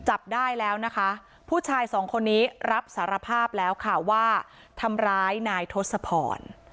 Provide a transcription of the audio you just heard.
จับได้แล้วนะคะผู้ชายสองคนนี้รับสารภาพแล้วค่ะว่าทำร้ายนายทศพร